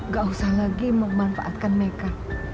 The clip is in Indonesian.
gak usah lagi memanfaatkan mereka